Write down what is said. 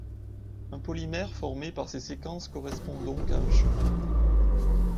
Un polymère formé par ces séquences correspond donc à un chemin.